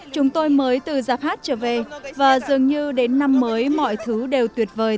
chúng tôi mới từ giặc hát trở về và dường như đến năm mới mọi thứ đều tuyệt vời